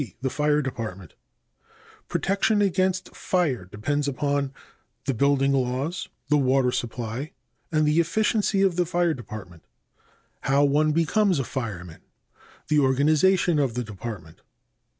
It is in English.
The Fire Department. Protection against fire depends upon (1) the building laws, (2) the water supply, and (3) the efficiency of the fire department. How one becomes a fireman. The organization of the department.